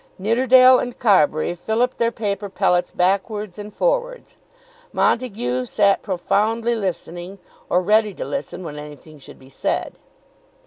Nidderdale and Carbury filliped their paper pellets backwards and forwards. Montague sat profoundly listening, or ready to listen when anything should be said.